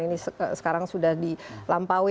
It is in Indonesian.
ini sekarang sudah dilampaui